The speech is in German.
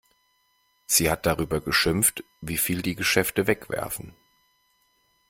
Sie hat darüber geschimpft, wie viel die Geschäfte wegwerfen.